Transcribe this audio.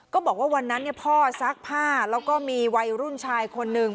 บอกว่าวันนั้นพ่อซักผ้าแล้วก็มีวัยรุ่นชายคนหนึ่ง